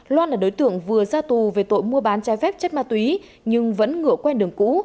loan là đối tượng vừa ra tù về tội mua bán trái phép chất ma túy nhưng vẫn ngựa quen đường cũ